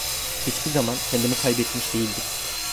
Hiçbir zaman kendimi kaybetmiş değildim.